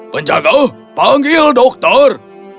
penjaga panggil dokter